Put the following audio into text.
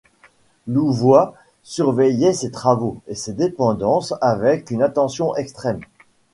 Louvois surveillait ces travaux et ces dépenses avec une attention extrême.